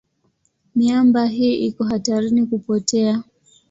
Miamba hii iko hatarini kupotea.